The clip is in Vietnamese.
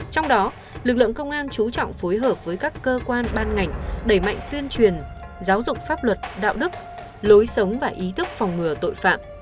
trong đó lực lượng công an chú trọng phối hợp với các cơ quan ban ngành đẩy mạnh tuyên truyền giáo dục pháp luật đạo đức lối sống và ý thức phòng ngừa tội phạm